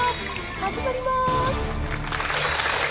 始まりまーす！